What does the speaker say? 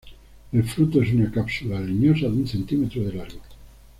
El fruto es una cápsula leñosa de un centímetro de largo.